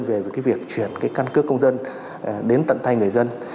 về việc chuyển căn cước công dân đến tận thay người dân